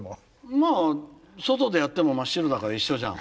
まあ外でやっても真っ白だから一緒じゃん。